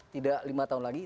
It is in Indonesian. tidak lima tahun lagi